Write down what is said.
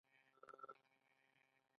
د اقتصاد او تاریخ په رڼا کې.